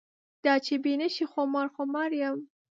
دا چې بې نشې خمار خمار یم.